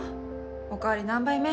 お代わり何杯目？